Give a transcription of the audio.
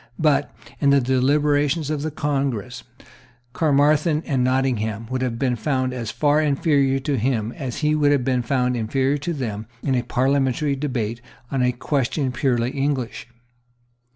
But, in the deliberations of the Congress, Caermarthen and Nottingham would have been found as far inferior to him as he would have been found inferior to them in a parliamentary debate on a question purely English.